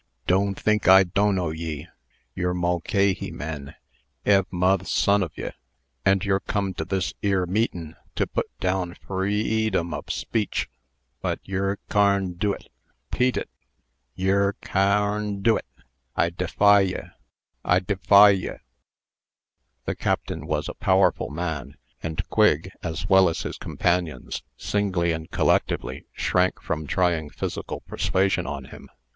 Don' think I doknowye. You're Mulcahy men, ev' moth's sonofye; and you've come to this 'ere meet'n' to put down free ee dom of speech. But yer carndoit. 'Peat it, yer ca arn doit. I d'fy ye. I d'fy ye." The Captain was a powerful man; and Quigg, as well as his companions, singly and collectively, shrank from trying physical persuasion on him.